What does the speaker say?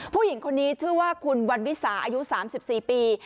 ผู้หญิงคนนี้ชื่อว่าคุณวันวิสาอายุ๓๔ปี